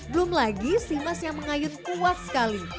belum lagi si emas yang mengayun kuat sekali